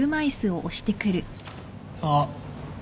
あっ。